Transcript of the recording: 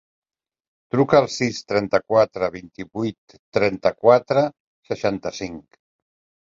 Truca al sis, trenta-quatre, vint-i-vuit, trenta-quatre, seixanta-cinc.